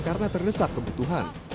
karena terlesak kebutuhan